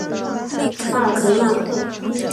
巴尔德纳克。